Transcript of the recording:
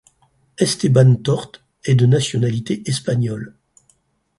Esteban Tort est de nationalité espagnole.